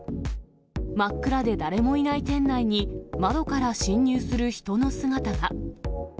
真っ暗で誰もいない店内に、窓から侵入する人の姿が。